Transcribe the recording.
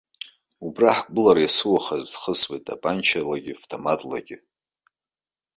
Абра ҳгәылара есыуаха аӡәы дхысуеит тапанчалагьы автоматлагьы.